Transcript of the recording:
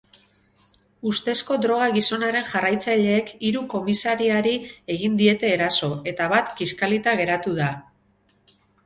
Ustezko droga-gizonaren jarraitzaileek hiru komisariari egin diete eraso eta bat kiskalita geratu da.